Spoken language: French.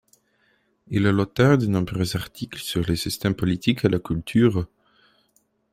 Il est l'auteur de nombreux articles sur le système politique et la culture.